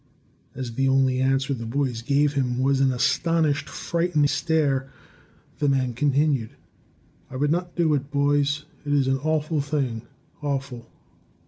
As the only answer the boys gave him was an astonished, frightened stare, the man continued: "I would not do it, boys. It is an awful thing awful!